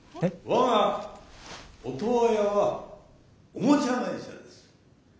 我がオトワヤはおもちゃ会社です。